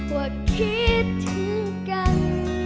ว่าคิดถึงกัน